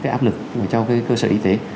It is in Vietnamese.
cái áp lực cho cơ sở y tế